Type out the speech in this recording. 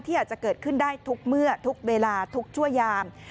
อาจจะเกิดขึ้นได้ทุกเมื่อทุกเวลาทุกชั่วยาม